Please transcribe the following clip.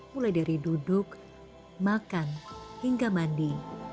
mulai dari duduk makan hingga mandi